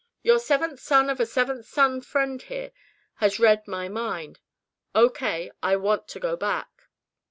Your seventh son of a seventh son friend here has read my palm O. K. I want to go back.